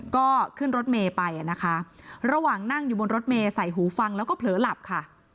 ก็ขึ้นรถเมย์ไปนะคะระหว่างนั่งอยู่บนรถเมย์ใส่หูฟังแล้วก็เผลอหลับค่ะ